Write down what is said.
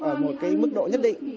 ở một cái mức độ nhất định